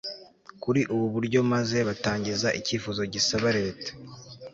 kuri ubu buryo maze batangiza icyifuzo gisaba leta